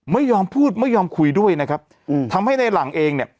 ไม่ยอมพูดไม่ยอมคุยด้วยนะครับอืมทำให้ในหลังเองเนี่ย